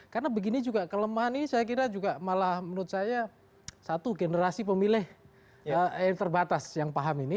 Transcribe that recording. karena begini juga kelemahan ini saya kira juga malah menurut saya satu generasi pemilih yang terbatas yang paham ini